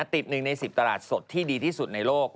ติด๑ใน๑๐ตลาดสดที่ดีที่สุดในโลก